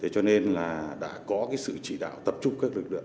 cho nên là đã có sự chỉ đạo tập trung các lực lượng